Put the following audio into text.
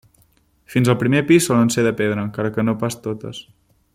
Fins al primer pis solen ser de pedra, encara que no pas totes.